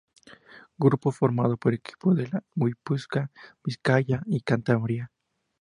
Grupo formado por equipos de Guipúzcoa, Vizcaya y Cantabria.